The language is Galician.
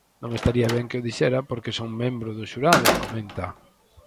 Non estaría ben que o dixera porque son membro do xurado, comenta.